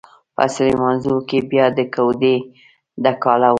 په سليمانزو کې بيا د کوډۍ د کاله و.